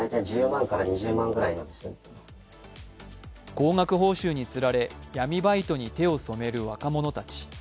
高額報酬につられ、闇バイトに手を染める若者たち。